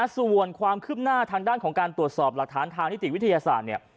ส่วนความคืบหน้าทางด้านของการตรวจสอบหลักฐานทางนิติวิทยาศาสตร์เนี่ย